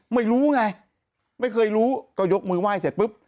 ไม่รู้ไงไม่เคยรู้ก็ยกมือไหว้เสร็จปุ๊บ